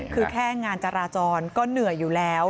คือแค่งานจราจรก็เหนื่อยอยู่แล้ว